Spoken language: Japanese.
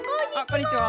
こんにちは。